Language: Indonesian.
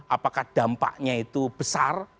apakah dampaknya itu besar